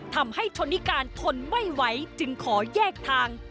ทำให้ชนนิการทนไม่ไหวจึงขอแยกทาง